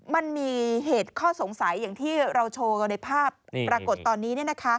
มันมีเหตุข้อสงสัยอย่างที่เราโชว์กันในภาพปรากฏตอนนี้